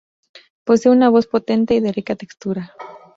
Posee una voz potente y de rica textura.